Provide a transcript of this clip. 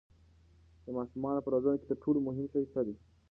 د ماشومانو په روزنه کې تر ټولو مهم شی څه دی؟